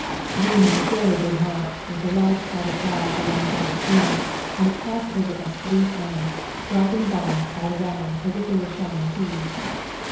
We made a fairly big mark with the large WE GO TO CORFU 199 crowded barge alongside the steamer, and it passed over us three times, dropping bombs all around as if they were shelling peas.